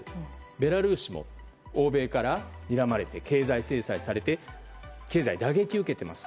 ベラルーシも欧米からにらまれて経済制裁をされて打撃を受けています。